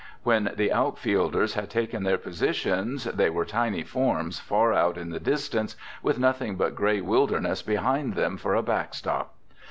When the outfielders had taken their positions, they were tiny forms far out in the distance with nothing but gray wilderness behind them for a backstop.